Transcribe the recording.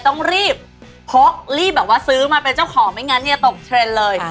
ต้องรีบพกรีบแบบว่าซื้อมาเป็นเจ้าของไม่งั้นเนี่ยตกเทรนด์เลย